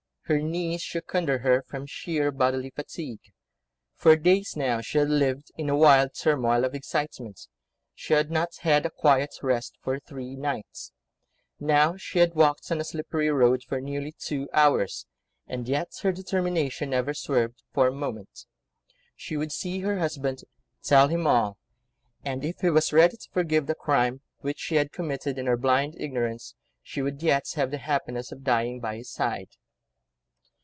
Her knees shook under her, from sheer bodily fatigue. For days now she had lived in a wild turmoil of excitement; she had not had a quiet rest for three nights; now, she had walked on a slippery road for nearly two hours, and yet her determination never swerved for a moment. She would see her husband, tell him all, and, if he was ready to forgive the crime, which she had committed in her blind ignorance, she would yet have the happiness of dying by his side.